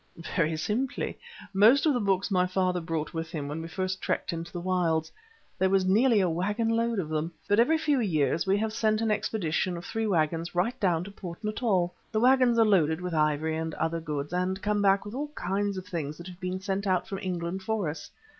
"Very simply. Most of the books my father brought with him when we first trekked into the wilds; there was nearly a waggon load of them. But every few years we have sent an expedition of three waggons right down to Port Natal. The waggons are loaded with ivory and other goods, and come back with all kinds of things that have been sent out from England for us.